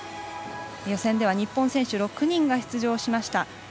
予選では日本選手６人が出場しました。